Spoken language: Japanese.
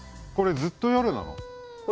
これずっと夜なの。